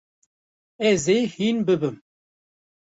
Ez ê hîn bibim.